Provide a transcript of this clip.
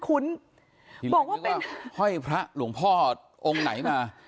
พี่เรียกว่าห้อยพระหลวงพ่อองค์ไหนมา